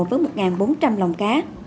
với một bốn trăm linh lồng cá